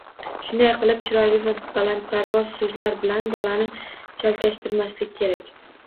Shunday qilib, chiroyli va balandparvoz so‘zlar bilan bolani chalkashtirmaslik kerak.